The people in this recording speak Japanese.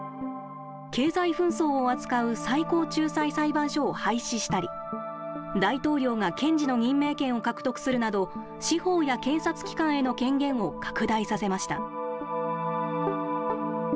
経済紛争を扱う最高仲裁裁判所を廃止したり、大統領が検事の任命権を獲得するなど、司法や検察機関への権限を拡大させました。